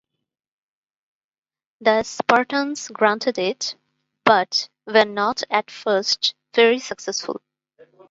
The Spartans granted it, but were not at first very successful.